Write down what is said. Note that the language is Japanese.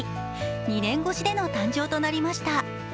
２年越しでの誕生となりました。